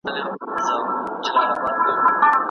لښتې ته پکار وه چې خپلې سترګې اسمان ته ونیسي.